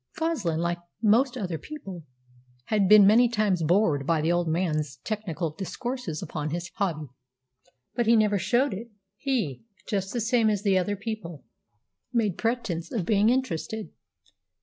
Goslin, like most other people, had been many times bored by the old man's technical discourses upon his hobby. But he never showed it. He, just the same as other people, made pretence of being interested.